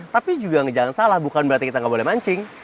tapi juga jangan salah bukan berarti kita nggak boleh mancing